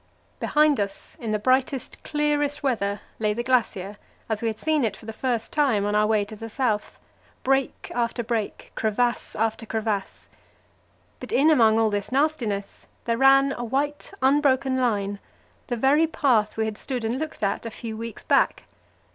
Behind us, in the brightest, clearest weather, lay the glacier, as we had seen it for the first time on our way to the south: break after break, crevasse after crevasse. But in among all this nastiness there ran a white, unbroken line, the very path we had stood and looked at a few weeks back.